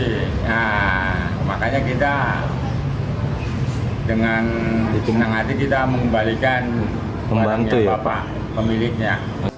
nah makanya kita dengan hitungan hati kita mengembalikan pembantu bapak pemiliknya